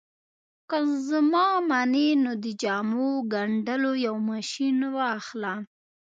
که زما منې نو د جامو ګنډلو یو ماشين واخله